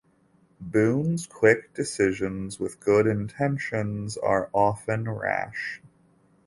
Boone's quick decisions with good intentions are often rash.